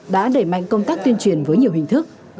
đã đẩy mạnh công tác tuyên truyền với nhiều hình thức